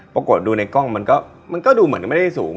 ปรากฏดูในกล้องมันก็ดูเหมือนไม่ได้สูง